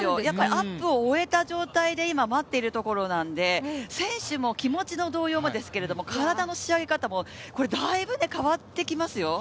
アップを終えた状態で待っているところなんで選手も気持ちの動揺も、体の仕上げ方もだいぶ変わってきますよ。